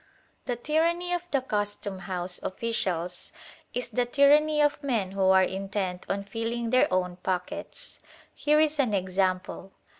The tyranny of the Custom House officials is the tyranny of men who are intent on filling their own pockets. Here is an example.